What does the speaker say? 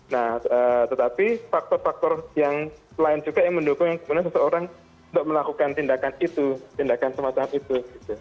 nah tetapi faktor faktor yang lain juga yang mendukung yang sebenarnya seseorang untuk melakukan tindakan itu tindakan semacam itu